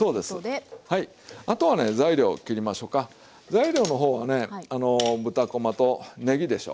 材料の方はね豚こまとねぎでしょ。